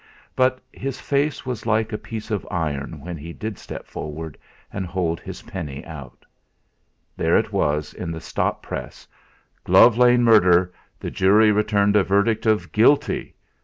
But his face was like a piece of iron when he did step forward and hold his penny out. There it was in the Stop Press! "Glove Lane Murder. The jury returned a verdict of Guilty.